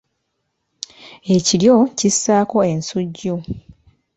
Ekiryo kissaako ensujju.